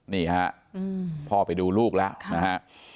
นี่ฮะพ่อไปดูลูกแล้วนะฮะ